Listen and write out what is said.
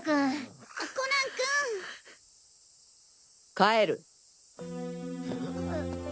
帰る！